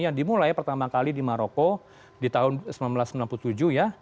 yang dimulai pertama kali di maroko di tahun seribu sembilan ratus sembilan puluh tujuh ya